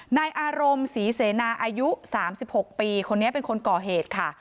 นายอารมณ์ศรีเสนาอายุ๓๖ปีคนนี้เป็นคนก่อเหตุค่ะ